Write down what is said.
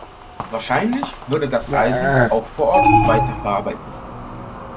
Wahrscheinlich wurde das Eisen auch vor Ort weiterverarbeitet.